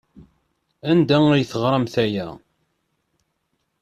Anda ay teɣramt aya?